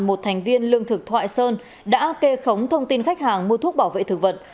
một thành viên lương thực thoại sơn đã kê khống thông tin khách hàng mua thuốc bảo vệ thực vật